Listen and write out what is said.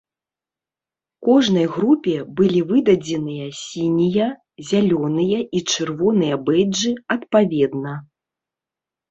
Кожнай групе былі выдадзеныя сінія, зялёныя і чырвоныя бэйджы адпаведна.